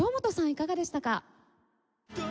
いかがでしたか？